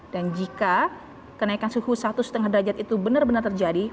dan jika kenaikan suhu satu lima derajat itu benar benar terjadi